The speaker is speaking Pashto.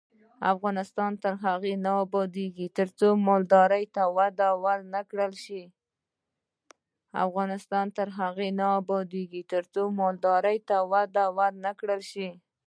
افغانستان تر هغو نه ابادیږي، ترڅو مالدارۍ ته وده ورنکړل شي.